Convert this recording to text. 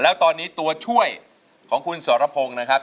แล้วตอนนี้ตัวช่วยของคุณสรพงศ์นะครับ